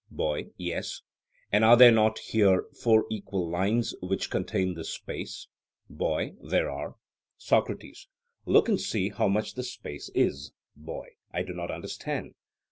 BOY: Yes. SOCRATES: And are there not here four equal lines which contain this space? BOY: There are. SOCRATES: Look and see how much this space is. BOY: I do not understand.